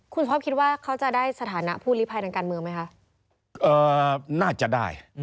คุณพบคิดว่าเขาจะได้สถานะผู้รีบภัยดังการเมืองไหมคะ